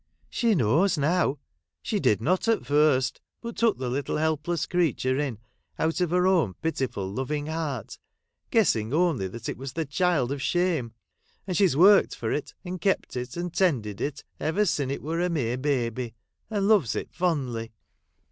' She knows now : she did not at first, but took the little helpless creature in, out of her own pitiful loving heart, guessing only that it was the child of shame, and she 's worked for it, and kept it, and tended it ever sin' it were a mere baby, and loves it fondly.